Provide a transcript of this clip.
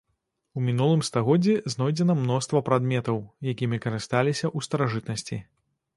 У мінулым стагоддзі знойдзена мноства прадметаў, якімі карысталіся ў старажытнасці.